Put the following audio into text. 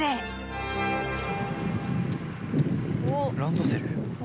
ランドセル？